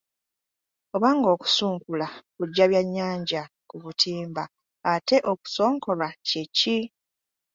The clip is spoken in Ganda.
Oba ng'okusunkula kuggya byannyanja ku butimba, ate okusonkolwa kye ki?